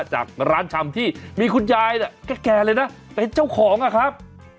จากร้านชำที่มีคุณยายแก่เลยนะเป็นเจ้าของอะครับ